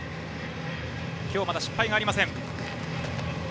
今日まだ失敗がありません。